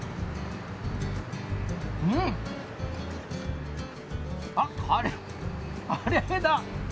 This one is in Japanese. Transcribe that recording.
うん！あっカレーカレーだ。